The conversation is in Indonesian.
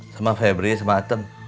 sama febri sama atem